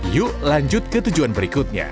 yuk lanjut ke tujuan berikutnya